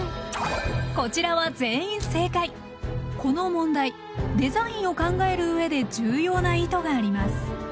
こちらはこの問題デザインを考えるうえで重要な意図があります。